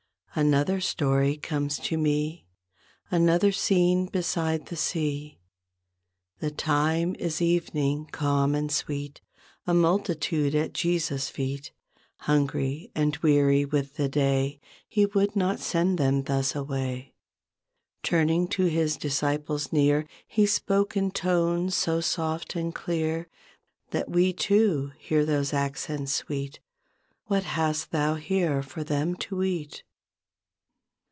Another story comes to me. Another scene beside the sea. 1 6 The time is evening, calm and sweet; A multitude at Jesus' feet; Hungry and weary with the day, He would not send them thus away. Turning to his disciples near, He spoke in tones so soft and clear That we, too, hear those accents sweet, "'What hast thou here for them to eat?"